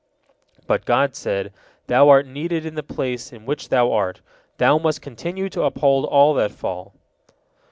But God said: "Thou art needed in the place in which thou art; thou must continue to uphold all that fall."